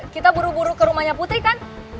kita buru buru ke rumahnya putri kan